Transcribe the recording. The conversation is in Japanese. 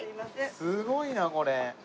すごいなこれ。